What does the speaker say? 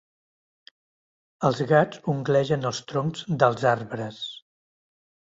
Els gats unglegen els troncs dels arbres.